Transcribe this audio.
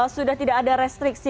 sudah tidak ada restriksi